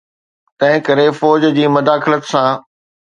تنهنڪري فوج جي مداخلت سان.